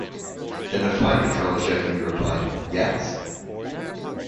Then, a flight controller jokingly replied Yes?